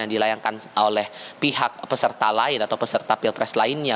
yang dilayangkan oleh pihak peserta lain atau peserta pilpres lainnya